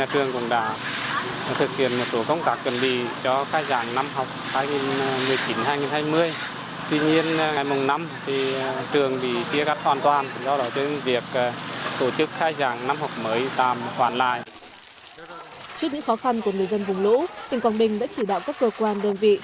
trước những khó khăn của người dân vùng lũ tỉnh quảng bình đã chỉ đạo các cơ quan đơn vị